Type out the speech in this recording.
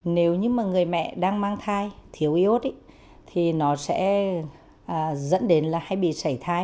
nếu như mà người mẹ đang mang thai thiếu iốt thì nó sẽ dẫn đến là hay bị sảy thai